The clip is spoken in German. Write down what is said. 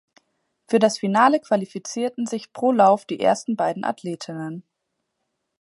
Für das Finale qualifizierten sich pro Lauf die ersten beiden Athletinnen.